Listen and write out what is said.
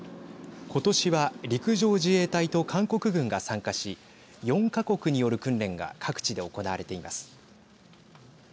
今年は陸上自衛隊と韓国軍が参加し４か国による訓練が各地で行われています。